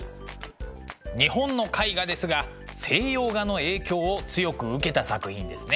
日本の絵画ですが西洋画の影響を強く受けた作品ですね。